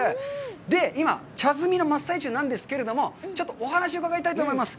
で、今、茶摘みの真っ最中なんですけれども、ちょっとお話を伺いたいと思います。